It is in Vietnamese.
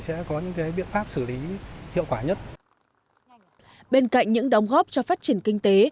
sẽ có những cái biện pháp xử lý hiệu quả nhất bên cạnh những đóng góp cho phát triển kinh tế